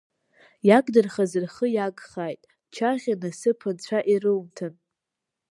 Иагдырхаз рхы иагхааит, чаӷьа насыԥ анцәа ирумҭан!